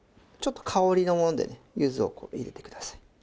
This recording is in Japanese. ちょっと香りのものでね柚子をこう入れてください。